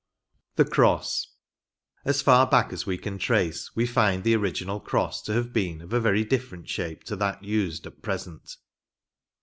The Crosse. ‚ÄĒ As far back as we can trace we find the original Crosse to have been of a very different shape to that used at present.